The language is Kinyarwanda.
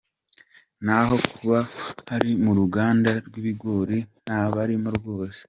Naho kuba bari mu ruganda rw’ibigori nta barimo rwose.